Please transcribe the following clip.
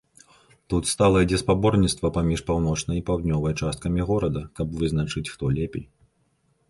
Тут стала ідзе спаборніцтва паміж паўночнай і паўднёвая часткамі горада, каб вызначыць, хто лепей.